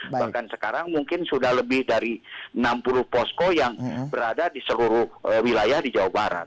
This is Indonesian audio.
bahkan sekarang mungkin sudah lebih dari enam puluh posko yang berada di seluruh wilayah di jawa barat